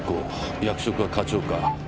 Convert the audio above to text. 役職は課長か。